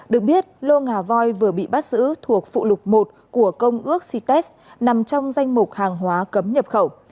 được biết lô ngà voi vừa bị bắt giữ thuộc phụ lục một của công ước cites nằm trong danh mục hàng hóa cấm nhập khẩu